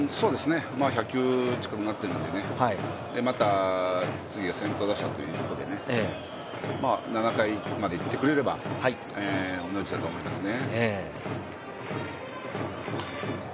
１００球近くなってるんでまた次が先頭打者ということで７回までいってくれれば、御の字だと思いますね。